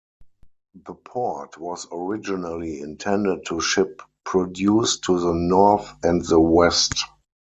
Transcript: The port was originally intended to ship produce to the North and the West.